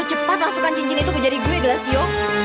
cepat masukkan cincin itu ke jari gue gassio